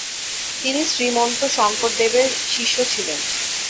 তিনি শ্রীমন্ত শঙ্করদেব-এর শিষ্য ছিলেন।